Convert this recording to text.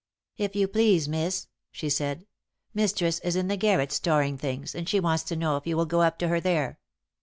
"If you please, Miss," she said, "mistress is in the garret storing things, and she wants to know if you will go up to her there?"